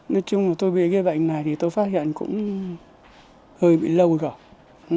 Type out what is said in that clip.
nói chung là tôi bị cái bệnh này thì tôi phát hiện cũng hơi bị lâu rồi